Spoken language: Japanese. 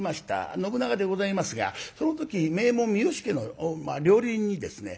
信長でございますがその時名門三好家の料理人にですね